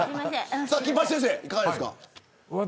金八先生、いかがですか。